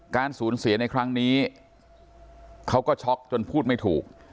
การสูญเสียในครั้งนี้เขาก็ช็อกจนพูดไม่ถูก